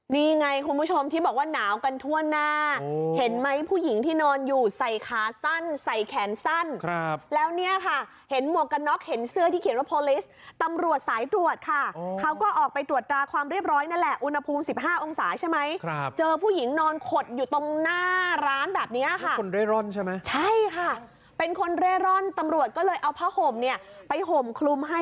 เห็นไหมคุณผู้ชมที่บอกว่าหนากันทั่วหน้าเห็นไหมผู้หญิงที่นอนอยู่ใส่ค้าสั้นใส่แขนสั้นครับแล้วเนี้ยค่ะเห็นหมวกกะน็อกเห็นเสื้อที่เขียนว่าตำรวจสายตรวจค่ะอ๋อเขาก็ออกไปตรวจตาความเรียบร้อยนั่นแหละอุณหภูมิสิบห้าองศาใช่ไหมครับเจอผู้หญิงนอนขดอยู่ตรงหน้าร้านแบบเนี้ยค่ะ